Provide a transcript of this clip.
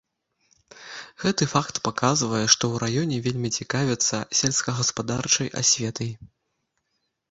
Гэты факт паказвае, што ў раёне вельмі цікавяцца сельскагаспадарчай асветай.